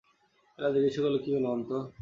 এলা জিজ্ঞাসা করলে, কী হল, অন্তু?